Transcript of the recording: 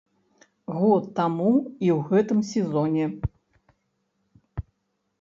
Год таму і ў гэтым сезоне.